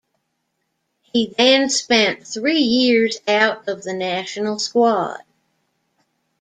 He then spent three years out of the national squad.